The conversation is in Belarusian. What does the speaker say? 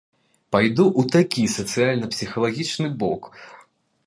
Пайду ў такі сацыяльна-псіхалагічны бок.